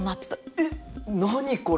えっ何これ？